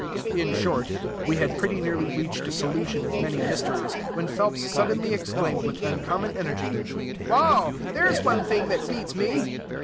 in short, we had pretty nearly reached a solution of many mysteries, when Phelps suddenly exclaimed with uncommon energy, "Wall, there's one thing that beats me!"